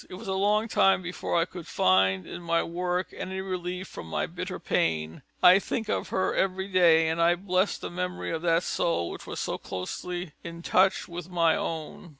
"It was a long time before I could find in my work any relief from my bitter pain. I think of her every day and I bless the memory of that soul which was so closely in touch with my own."